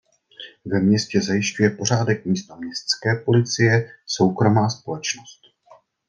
Ve městě zajišťuje pořádek místo městské policie soukromá společnost.